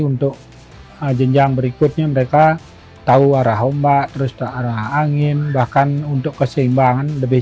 untuk jenjang berikutnya mereka tahu arah ombak terus ke arah angin bahkan untuk keseimbangan lebih